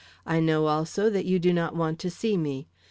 I know also that you do not want to see me.